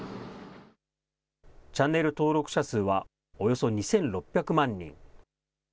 チャンネル登録者数はおよそ２６００万人。